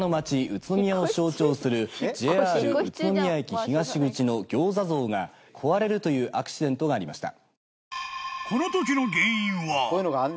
宇都宮を象徴するＪＲ宇都宮駅東口の餃子像が壊れるというアクシデントがありました。